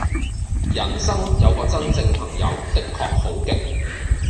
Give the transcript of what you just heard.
人生有個真正朋友的確好極